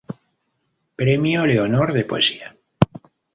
Premio Leonor de poesía.